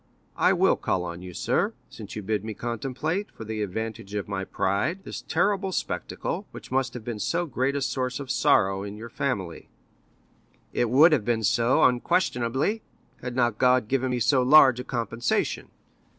I will call on you, sir, since you bid me contemplate, for the advantage of my pride, this terrible spectacle, which must have been so great a source of sorrow to your family." "It would have been so unquestionably, had not God given me so large a compensation.